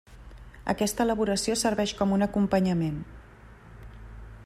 Aquesta elaboració serveix com un acompanyament.